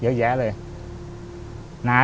เยอะแยะเลยน้าก็เลยบอกว่า